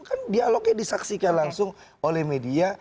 kan dialognya disaksikan langsung oleh media